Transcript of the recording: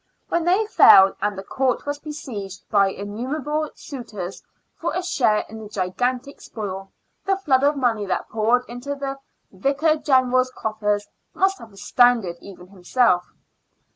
When they fell, and the Court was besieged by innumerable suitors for a share in the gigantic spoil, the flood of money that poured into the Vicar General's coffers must have astounded even himself.